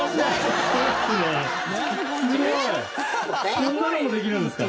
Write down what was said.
そんなのもできるんですか？